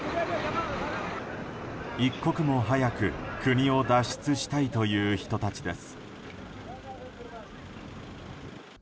一刻も早く国を脱出したいという人たちです。